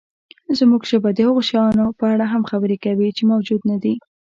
زموږ ژبه د هغو شیانو په اړه هم خبرې کوي، چې موجود نهدي.